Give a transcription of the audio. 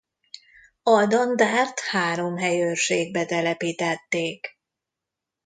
A dandárt három helyőrségbe telepítették.